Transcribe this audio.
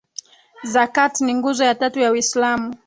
zakat ni nguzo ya tatu ya uislamu